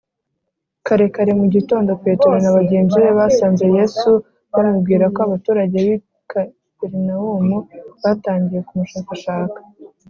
kare kare mu gitondo, petero na bagenzi be basanze yesu bamubwira ko abaturage b’i kaperinawumu batangiye kumushakashaka